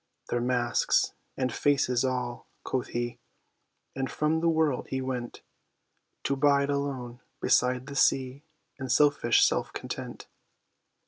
They're masks, and faces all!" quoth he, and from the world he went To bide alone, beside the sea, in selfish self content.